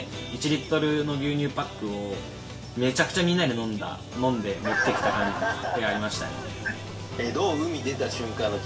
１リットルの牛乳パックをめちゃくちゃみんなで飲んだ飲んで持ってきた感じでやりましたね。